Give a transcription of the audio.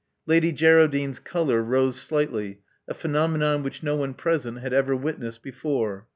Lady Geraldine's color rose slightly, a phenomenon which no one present had ever witnessed before.